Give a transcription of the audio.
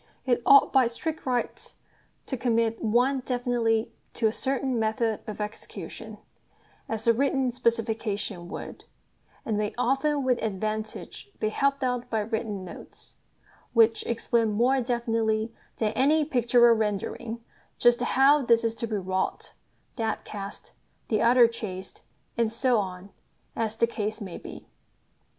It ought by strict rights to commit one definitely to a certain method of execution, as a written specification would; and may often with advantage be helped out by written notes, which explain more definitely than any pictorial rendering just how this is to be wrought, that cast, the other chased, and so on, as the case may be.